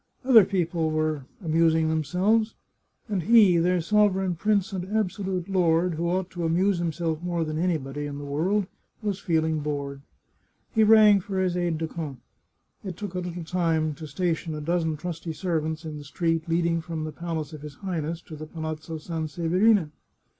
Other people were amus ing themselves, and he, their sovereign prince and abso lute lord, who ought to amuse himself more than anybody in the world, was feeling bored. He rang for his aide de camp. It took a little time to station a dozen trusty servants in the street leading from the palace of his Highness to the Palazzo Sanseverina.